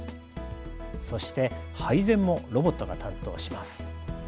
そして配膳もロボットが担当します。